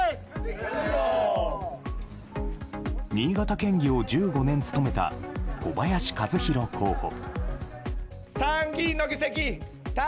新潟県議を１５年務めた小林一大候補。